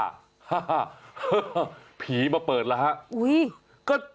ฮ่าผีมาเปิดแล้วฮะอุ๊ย